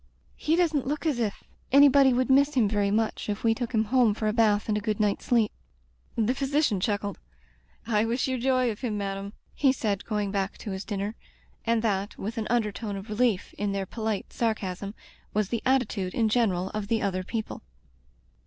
He doesn't look as if — ^anybody would miss him very much if we took him home for a bath and a good night's sleep." [ 22 ] Digitized by LjOOQ IC A Tempered Wind The physician chuckled. "I wish you joy of him, madam," he said, going back to his dinner, and that, with an undertone of relief in their polite sarcasm, was the attitude in general of the other people.